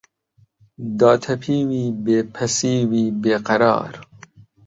داتەپیوی، بێ پەسیوی بێ قەرار